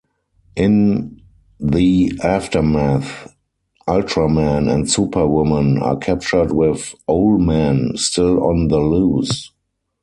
In the aftermath, Ultraman and Superwoman are captured with Owlman still on the loose.